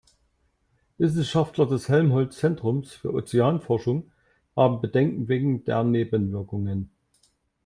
Wissenschaftler des Helmholtz-Zentrums für Ozeanforschung haben Bedenken wegen der Nebenwirkungen.